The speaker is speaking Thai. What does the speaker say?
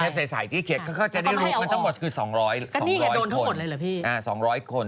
เขียนเพลพใสที่เขียนเข้ามาจะได้รู้มันทั้งหมดคือ๒๐๐คน